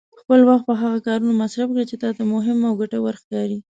خپل وخت په هغه کارونو مصرف کړه چې تا ته مهم او ګټور ښکاري.